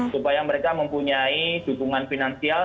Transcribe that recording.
supaya mereka mempunyai dukungan finansial